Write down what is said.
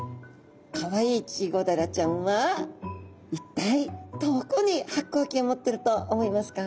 かわいいチゴダラちゃんは一体どこに発光器を持ってると思いますか？